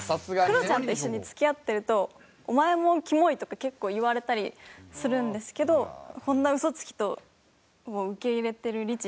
クロちゃんと一緒に付き合ってると「お前もキモい」とか結構言われたりするんですけど「こんな嘘つきを受け入れてるリチ